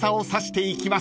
いきます